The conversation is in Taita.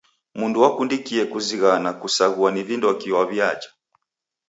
Mndu wakundikie kuzighana kusaghua ni vindoki waw'iaja.